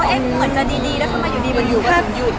เหมือนกันดีแล้วทำไมอยู่ดี